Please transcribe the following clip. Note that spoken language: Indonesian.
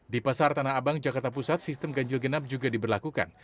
di pasar tanah abang jakarta pusat sistem ganjil genap juga diberlakukan